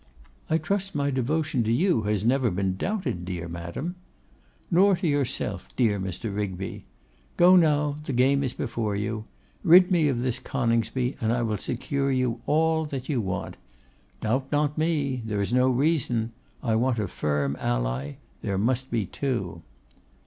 'I trust my devotion to you has never been doubted, dear madam.' 'Nor to yourself, dear Mr. Rigby. Go now: the game is before you. Rid me of this Coningsby, and I will secure you all that you want. Doubt not me. There is no reason. I want a firm ally. There must be two.